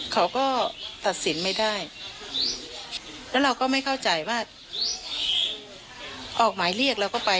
เขาก็ตัดสินไม่ได้แล้วเราก็ไม่เข้าใจว่าออกหมายเรียกเราก็ไป